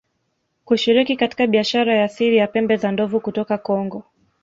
kushiriki katika biashara ya siri ya pembe za ndovu kutoka Kongo